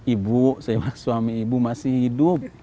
ibu suami ibu masih hidup